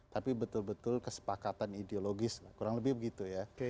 tapi betul betul kesepakatan ideologis kurang lebih begitu ya